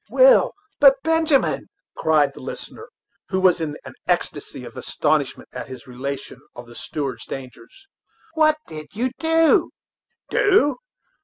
"Well! but, Benjamin," cried the listener, who was in an ecstasy of astonishment at this relation of the steward's dangers, "what did you do?" "Do!